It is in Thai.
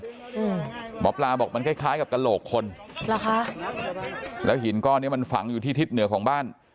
หมอปลาบอกมันคล้ายกับกระโหลกคนแล้วหินก้อนนี้มันฝังอยู่ที่ทิศเหนือของบ้าน